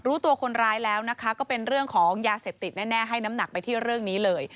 รู้ตัวคนร้ายแล้วนะคะก็เป็นเรื่องของยาเสพติดแน่ให้น้ำหนักไปที่เรื่องนี้เลย